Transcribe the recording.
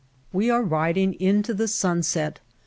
We are riding into the sunset.